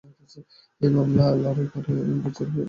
এই মামলা লড়া আমার মতো একজন উকিলের জন্য বড় চ্যালেঞ্জ।